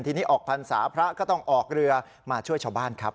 ทีนี้ออกพรรษาพระก็ต้องออกเรือมาช่วยชาวบ้านครับ